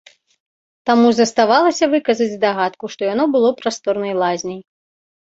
Таму заставалася выказаць здагадку, што яно было прасторнай лазняй.